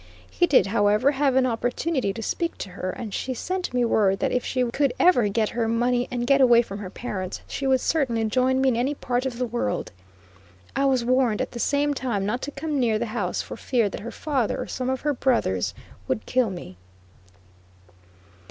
He did, however, have an opportunity to speak to her, and she sent me word that if she could ever get her money and get away from her parents, she would certainly join me in any part of the world. I was warned, at the same time, not to come near the house, for fear that her father or some of her brothers would kill me.